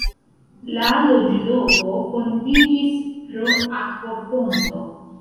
La loĝloko fondiĝis pro akvofonto.